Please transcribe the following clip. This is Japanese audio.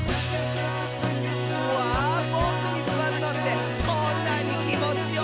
「うわボクにすわるのってこんなにきもちよかったんだ」